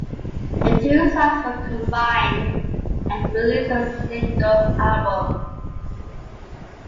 The two sides were combined and released as a single album.